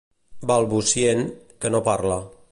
Balbucient, que no parla.